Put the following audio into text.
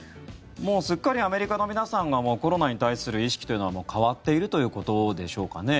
もうすっかりアメリカの皆さんがコロナに対する意識というのが変わっているということでしょうかね。